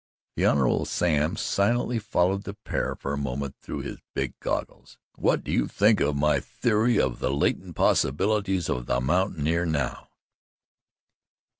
The Hon. Sam silently followed the pair for a moment through his big goggles. "What do you think of my theory of the latent possibilities of the mountaineer now?"